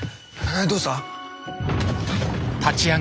どうした？